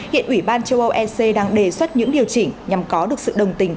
hiện ủy ban châu âu ec đang đề xuất những điều chỉnh nhằm có được sự đồng tình